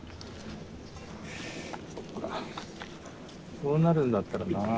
こうなるんだったらなあ。